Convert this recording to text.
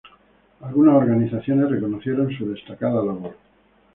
Algunas organizaciones reconocieron su destacada labor.